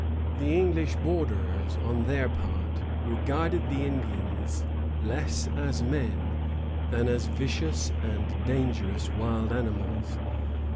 The English borderers, on their part, regarded the Indians less as men than as vicious and dangerous wild animals.